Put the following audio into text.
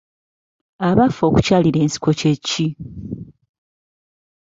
Abaffe okukyalira ensiko kye ki?